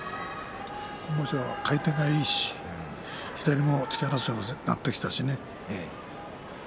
今場所は回転もいいし左も突き放せるようになってるし。